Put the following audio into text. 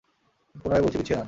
পুনরায় বলছি, পিছিয়ে যান।